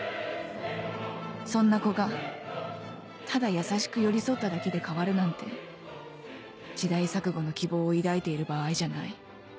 そんな子がただ優しく寄り添っただけで変わるなんて時代錯誤の希望を抱いている場合じゃない